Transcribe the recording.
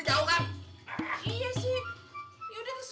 kalau nggak biarin deh